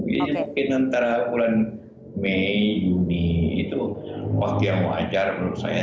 ya mungkin antara bulan mei juni itu waktu yang wajar menurut saya